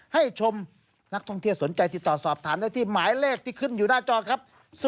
ให้ชมนักท่องเที่ยวสนใจติดต่อสอบถามได้ที่หมายเลขที่ขึ้นอยู่หน้าจอครับ